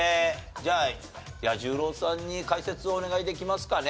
じゃあ彌十郎さんに解説をお願いできますかね？